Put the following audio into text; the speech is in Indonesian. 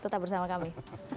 tetap bersama kami